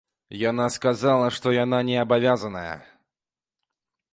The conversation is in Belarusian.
Яна сказала, што яна не абавязаная.